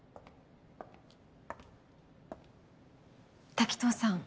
滝藤さん